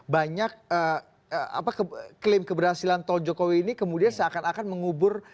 banyak klaim keberhasilan tol jokowi ini kemudian seakan akan mengubur